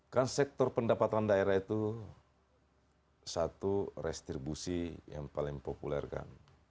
kan sektor pendapatan daerah itu satu restribusi yang paling populer kan